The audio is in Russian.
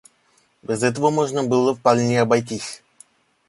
Без этого можно было вполне обойтись.